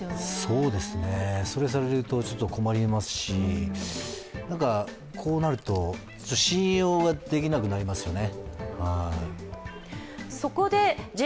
そうですね、困りますしこうなると、信用ができなくなりますよね。